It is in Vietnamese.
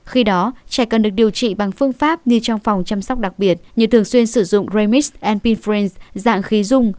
khi đó trẻ cần được điều trị bằng phương pháp như trong phòng chăm sóc đặc biệt như thường xuyên sử dụng remix and pinference dạng khí dung